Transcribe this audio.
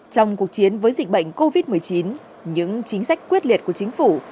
trong cuộc chiến với dịch bệnh covid một mươi chín những chính sách quyết liệt của chính phủ